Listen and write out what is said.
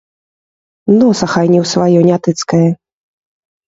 Носа хай не ў сваё не тыцкае.